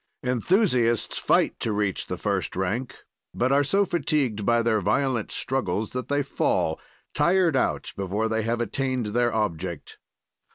"Enthusiasts fight to reach the first rank, but are so fatigued by their violent struggles that they fall, tired out, before they have attained their object.